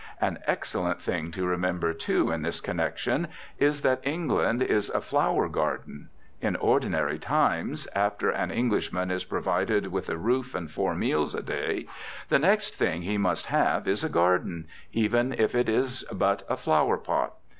An excellent thing to remember, too, in this connection, is that England is a flower garden. In ordinary times, after an Englishman is provided with a roof and four meals a day, the next thing he must have is a garden, even if it is but a flowerpot.